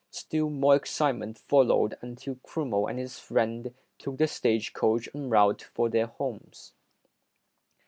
Still more excitement followed until Crummell and his friends took the stage coach en route for their homes.